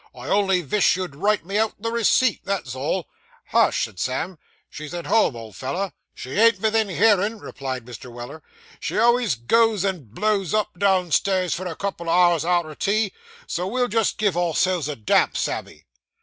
I only vish you'd write me out the receipt, that's all.' 'Hush!' said Sam, 'she's at home, old feller.' She ain't vithin hearin',' replied Mr. Weller; 'she always goes and blows up, downstairs, for a couple of hours arter tea; so we'll just give ourselves a damp, Sammy.